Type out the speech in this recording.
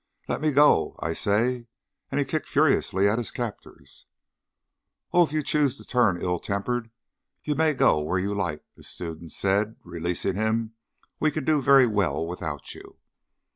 Let me go, I say!" and he kicked furiously at his captors. "Oh, if you choose to turn ill tempered, you may go where you like," the students said, releasing him. "We can do very well without you."